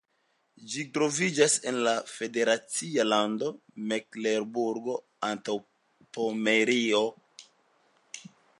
Ĝi troviĝas en la federacia lando Meklenburgo-Antaŭpomerio.